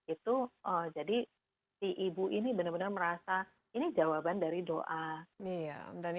itu jadi si ibu ini benar benar merasa ini jawaban dari doa